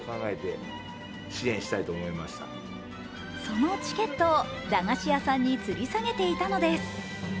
そのチケットを駄菓子屋さんにつり下げていたのです。